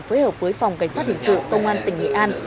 phối hợp với phòng cảnh sát hình sự công an tỉnh nghệ an